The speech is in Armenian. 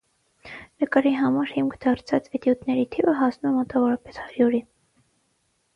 Նկարի համար հիմք դարձաձ էտյուդների թիվը հասնում է մոտավորապես հարյուրի։